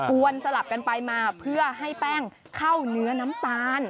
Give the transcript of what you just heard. วนสลับกันไปมาเพื่อให้แป้งเข้าเนื้อน้ำตาล